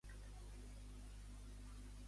Pots seguir amb "Dominion"?